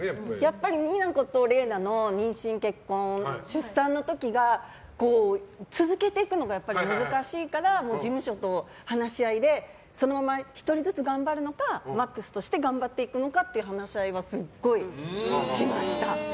やっぱりＭＩＮＡとＲＥＩＮＡの結婚と出産の時が続けていくのが難しいから事務所と話し合いでそのまま１人ずつ頑張るのかＭＡＸとして頑張っていくのかはすごいしました。